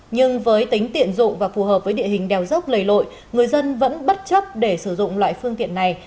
nhưng với tính tiện dụng và phù hợp với địa hình đèo dốc lầy lội người dân vẫn bất chấp để sử dụng loại phương tiện này